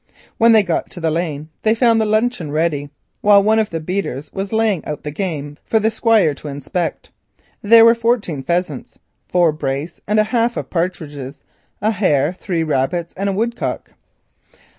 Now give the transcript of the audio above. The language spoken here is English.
When they got to the lane they found the luncheon ready, while one of the beaters was laying out the game for the Squire to inspect. There were fourteen pheasants, four brace and a half of partridges, a hare, three rabbits, and a woodcock.